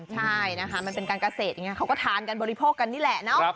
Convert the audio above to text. ใช่นะคะมันเป็นการเกษตรอย่างนี้เขาก็ทานกันบริโภคกันนี่แหละเนาะ